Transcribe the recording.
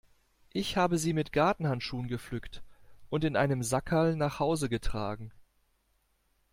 Ich habe sie mit Gartenhandschuhen gepflückt und in einem Sackerl nach Hause getragen.